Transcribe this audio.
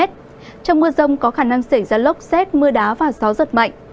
trong mưa rông có khả năng xảy ra lốc xét mưa đá và gió giật mạnh